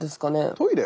トイレ？